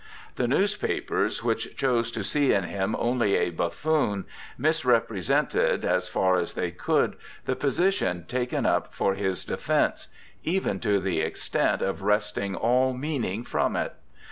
The newspapers, which chose to see in him only a buffoon, misrepresented, as far as they could, the position taken up for his defence, even to the extent of wresting all meaning from it.